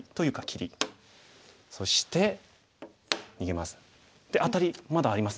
そして逃げます。